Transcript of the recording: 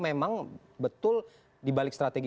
memang betul dibalik strategi